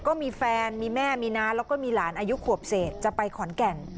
ก็มีแฟนมีแม่มีน้าแล้วก็มีหลานอายุขวบเศษจะไปขอนแก่น